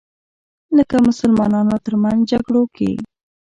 لکه مسلمانانو تر منځ جګړو کې